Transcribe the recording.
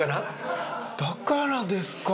だからですか！